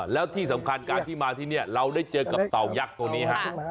แล้วที่สำคัญการที่มาที่นี่เราได้เจอกับเต่ายักษ์ตัวนี้ฮะ